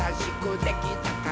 できたー！